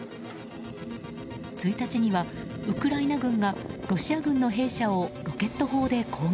１日にはウクライナ軍がロシア軍の兵舎をロケット砲で攻撃。